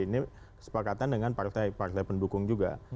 ini kesepakatan dengan partai partai pendukung juga